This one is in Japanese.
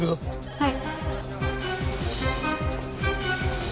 はい。